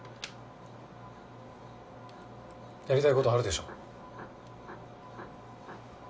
やりたい事あるでしょ。